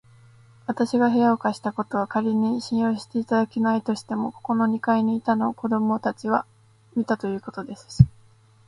わたしが部屋を貸したことは、かりに信用していただけないとしても、ここの二階にいたのを子どもたちが見たということですし、